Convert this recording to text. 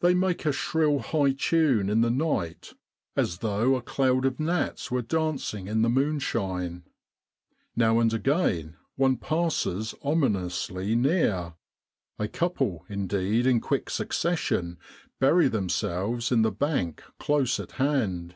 They make a shrill high tune in the night as though a cloud of gnats were dancing in 63 With the R.A.M.C. in Egypt the moonshine. Now and again one passes ominously near a couple indeed in quick succession bury them selves in the bank close at hand.